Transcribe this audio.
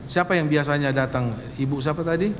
siapa yang biasanya datang ibu siapa tadi